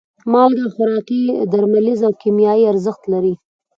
مالګه خوراکي، درملیز او کیمیاوي ارزښت لري.